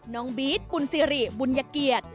น้องบี๊ดบุญสิริบุญยเกียรติ